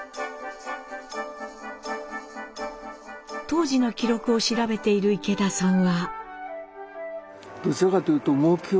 当時の記録を調べている池田さんは。